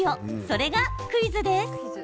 それが、クイズです。